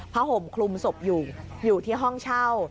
ห่มคลุมศพอยู่อยู่ที่ห้องเช่า